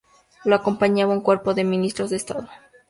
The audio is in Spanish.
Le acompañaba un cuerpo de ministros de Estado.